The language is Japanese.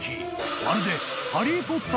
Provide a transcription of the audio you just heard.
まるで］